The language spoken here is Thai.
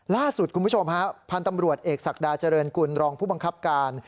ล่าสุดคุณผู้ชมฮะพันธ์ตำรวจเอกศักดาเจริญกุลรองผู้บังคับการ